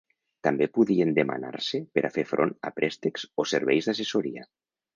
També podien demanar-se per a fer front a préstecs o serveis d’assessoria.